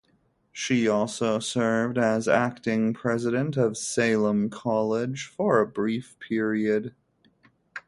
She also served as acting president of Salem College for a brief period.